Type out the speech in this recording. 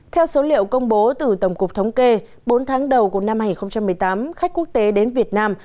theo số liệu công bố từ tổng cục thống kê bốn tháng đầu của năm hai nghìn một mươi tám khách quốc tế đến việt nam